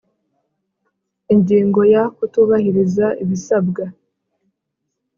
Ingingo ya kutubahiriza ibisabwa